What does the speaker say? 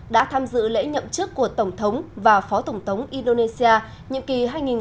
đã tham dự lễ nhậm chức của tổng thống và phó tổng thống indonesia nhiệm kỳ hai nghìn một mươi tám hai nghìn hai mươi ba